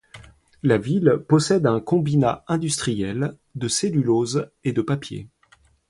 La ville possède un combinat industriel de cellulose et de papier.